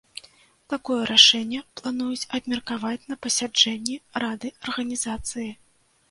Такое рашэнне плануюць абмеркаваць на пасяджэнні рады арганізацыі.